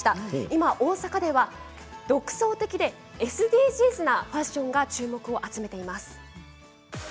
今、大阪では独創的でＳＤＧｓなファッションが注目を集めています。